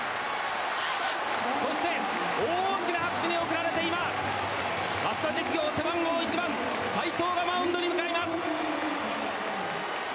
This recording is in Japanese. そして、大きな拍手に送られて今、早稲田実業背番号１番斎藤がマウンドに向かいます！